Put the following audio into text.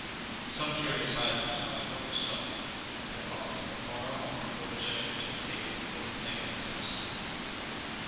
Some curious idlers, however, were stubborn, and followed from afar off the cortège which had taken Gwynplaine into custody.